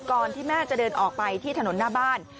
ที่แม่จะเดินออกไปที่ถนนหน้าบ้าน